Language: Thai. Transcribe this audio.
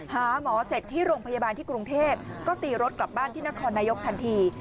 หาหมอเสร็จที่โรงพยาบาลที่กรุงเทพก็ตีรถกลับบ้านที่นครนายกทันที